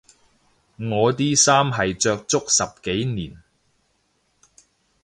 我啲衫係着足十幾年